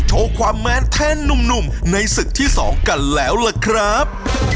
โชว์ความแมนแทนหนุ่มในศึกที่๒กันแล้วล่ะครับ